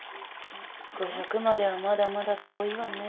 ５００まではまだまだ遠いわね。